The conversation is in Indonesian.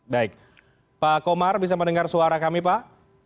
baik pak komar bisa mendengar suara kami pak